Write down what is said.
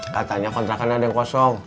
katanya kontrakannya ada yang kosong